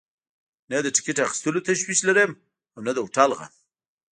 نه د ټکټ اخیستلو تشویش لرم او نه د هوټل غم.